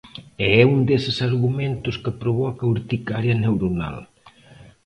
E é un deses argumentos que provoca urticaria neuronal.